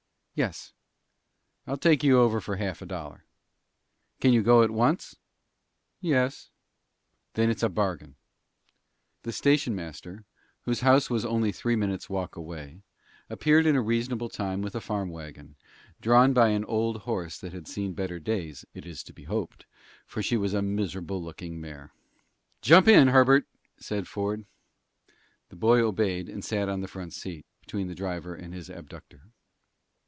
"Yes." "I'll take you over for half a dollar." "Can you go at once?" "Yes." "Then it's a bargain." The station master, whose house was only three minutes' walk away, appeared in a reasonable time with a farm wagon, drawn by an old horse that had seen better days, it is to be hoped, for she was a miserable looking mare. "Jump in, Herbert," said Ford. The boy obeyed, and sat on the front seat, between the driver and his abductor.